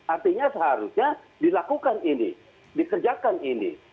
artinya seharusnya dilakukan ini dikerjakan ini